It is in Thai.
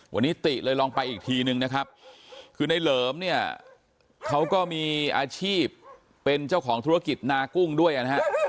วันนี้ติเลยลองไปอีกทีนึงนะครับคือในเหลิมเนี่ยเขาก็มีอาชีพเป็นเจ้าของธุรกิจนากุ้งด้วยนะฮะ